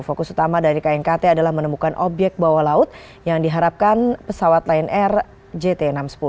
fokus utama dari knkt adalah menemukan obyek bawah laut yang diharapkan pesawat lion air jt enam ratus sepuluh